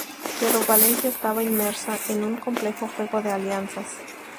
Pero Valencia estaba inmersa en un complejo juego de alianzas.